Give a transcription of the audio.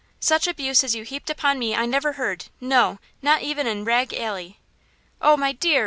Such abuse as you heaped upon me I never heard–no, not even in Rag Alley!" "Oh, my dear!